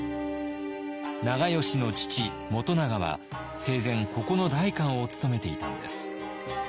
長慶の父元長は生前ここの代官を務めていたんです。